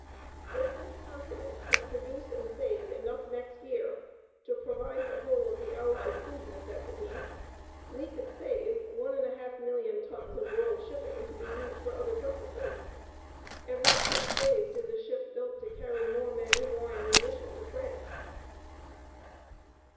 If this continent could produce and save enough next year to provide the whole of the Allied food necessities, we could save 1,500,000 tons of world shipping to be used for other purposes. EVERY SHIP SAVED IS A SHIP BUILT TO CARRY MORE MEN AND MORE AMMUNITION TO FRANCE.